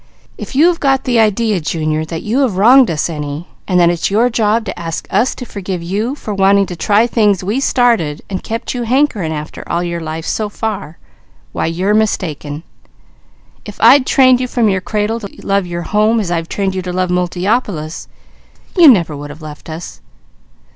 If you have got the idea, Junior, that you have wronged us any, and that it's your job to ask us to forgive you for wanting to try the things we started and kept you hankering after all your life so far, why you're mistaken. If I'd trained you from your cradle to love your home, as I've trained you to love Multiopolis, you never would have left us.